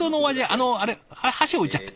あのあれ？は箸置いちゃった。